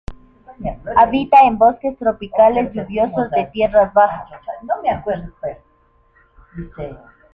Habita en bosques tropicales lluviosos de tierras bajas.